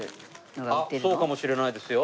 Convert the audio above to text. あっそうかもしれないですよ。